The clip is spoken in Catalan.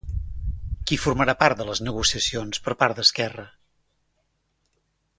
Qui formarà part de les negociacions, per part d'Esquerra?